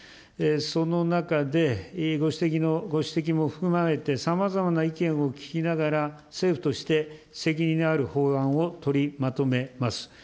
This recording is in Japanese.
その中で、委員ご指摘も含めて、さまざまな意見を聞きながら、政府として責任ある法案を取りまとめます。